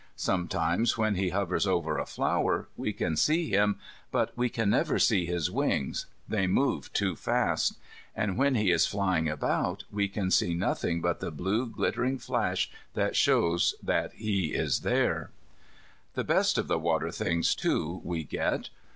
Sometimes, when he hovers over a flower, we can see him, but we can never see his wings. They move too fast. And when he is flying about, we can see nothing but the blue glittering flash that shows that he is there. The best of the water things, too, we get.